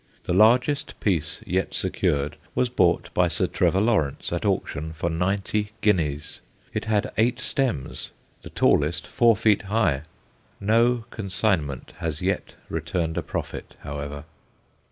The largest piece yet secured was bought by Sir Trevor Lawrence at auction for ninety guineas. It had eight stems, the tallest four feet high. No consignment has yet returned a profit, however.